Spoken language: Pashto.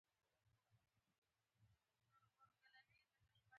قوانین توپیرونه رامنځته کوي.